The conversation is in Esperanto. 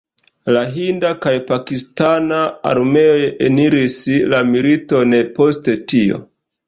La hinda kaj pakistana armeoj eniris la militon poste tio.